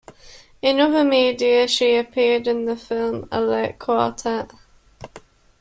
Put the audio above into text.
In other media, she appeared in the film "A Late Quartet".